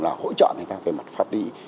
là hỗ trợ người ta về mặt pháp lý